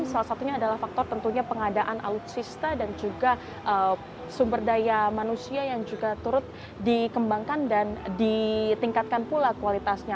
salah satunya adalah faktor tentunya pengadaan alutsista dan juga sumber daya manusia yang juga turut dikembangkan dan ditingkatkan pula kualitasnya